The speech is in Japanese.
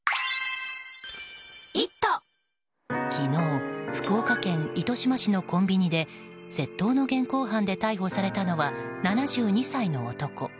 昨日福岡県糸島市のコンビニで窃盗の現行犯で逮捕されたのは７２歳の男。